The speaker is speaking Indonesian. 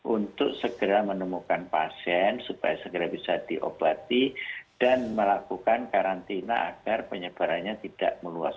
untuk segera menemukan pasien supaya segera bisa diobati dan melakukan karantina agar penyebarannya tidak meluas